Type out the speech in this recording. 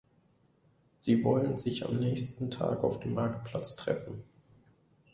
Sie wollen sich am nächsten Tag auf dem Marktplatz treffen.